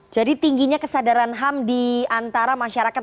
jadi tingginya kesadaran ham di antara masyarakat